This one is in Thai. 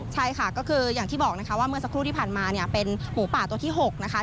ใช่ค่ะก็คืออย่างที่บอกนะคะว่าเมื่อสักครู่ที่ผ่านมาเนี่ยเป็นหมูป่าตัวที่๖นะคะ